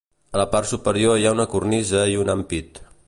A la part superior hi ha una cornisa i un ampit.